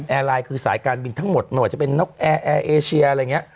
แอร์ไลน์คือสายการบินทั้งหมดจะเป็นนกแอร์แอร์เอเชียอะไรอย่างเงี้ย